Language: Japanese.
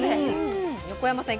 横山さん